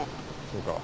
そうか。